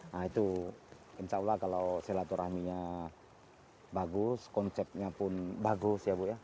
nah itu insya allah kalau silaturahminya bagus konsepnya pun bagus ya bu ya